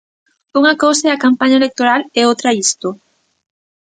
Unha cousa é a campaña electoral e outra isto.